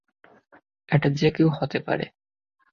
এটা যে কেউ হতে পারে।